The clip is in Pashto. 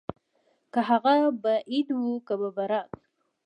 که هغه به عيد وو که ببرات.